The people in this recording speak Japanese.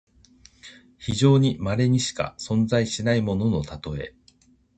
非常にまれにしか存在しないもののたとえ。